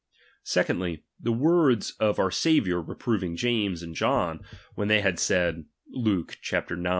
Secondly, the words of our Saviour reproving James and John, when they had said (Luke ix.